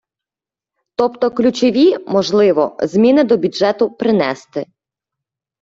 Тобто ключові, можливо, зміни до бюджету принести.